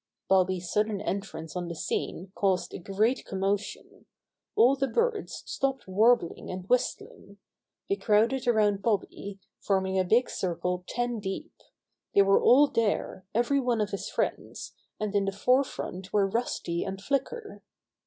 Bobby's sudden entrance on the scene caused a great commotion. All the birds stopped warbling and whistling. They crowded around Bobby, forming a big circle ten deep. They were all there, every one of his friends, and in the fore front were Rusty and Flicker.